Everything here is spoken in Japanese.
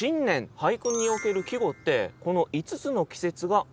俳句における季語ってこの五つの季節がある。